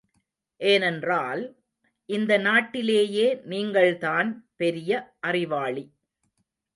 ஏனென்றால், இந்த நாட்டிலேயே நீங்கள்தான் பெரிய அறிவாளி.